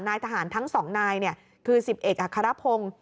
นายทหารทั้งสองนายคือ๑๐เอกอัครพงศ์